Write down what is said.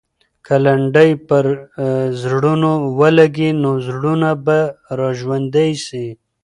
که لنډۍ پر زړونو ولګي، نو زړونه به راژوندي سي.